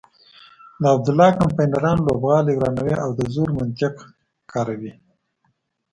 د عبدالله کمپاینران لوبغالی ورانوي او د زور منطق کاروي.